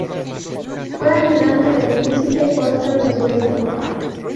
Fue ayudante del Príncipe Oscar de Suecia.